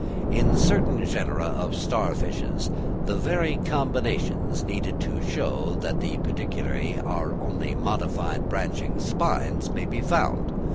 In certain genera of star fishes, "the very combinations needed to show that the pedicellariæ are only modified branching spines" may be found.